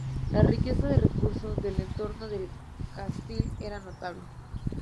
La riqueza de recursos del entorno de El Castil era notable.